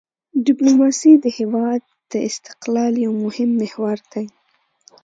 ډیپلوماسي د هېواد د استقلال یو مهم محور دی.